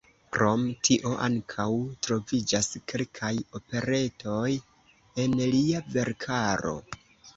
Krom tio ankaŭ troviĝas kelkaj operetoj en lia verkaro.